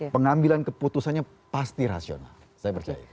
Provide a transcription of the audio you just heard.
pengambilan keputusannya pasti rasional saya percaya